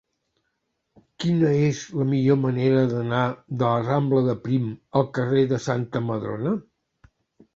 Quina és la millor manera d'anar de la rambla de Prim al carrer de Santa Madrona?